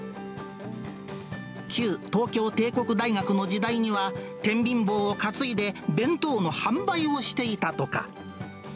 旧東京帝国大学の時代には、てんびん棒を担いで弁当の販売をしていたとか。